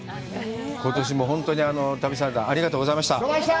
ことしも本当に旅サラダ、ありがとうございました。